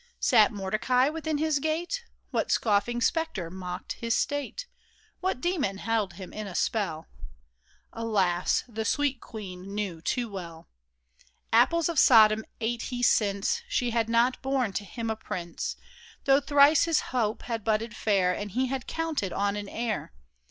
Sat Mordecai within his gate ? What scoffing spectre mocked his state ? What demon held him in a spell ? Alas ! the sweet queen knew too well I Apples of Sodom ate he, since She had not borne to him a prince, Though thrice his hope had budded fair, And he had counted on an heir.